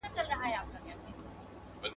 په دې دوره کي نظریات خیالي وو.